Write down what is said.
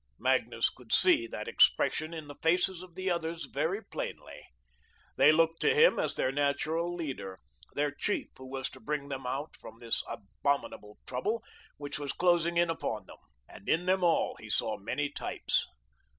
Magnus could see that expression in the faces of the others very plainly. They looked to him as their natural leader, their chief who was to bring them out from this abominable trouble which was closing in upon them, and in them all he saw many types.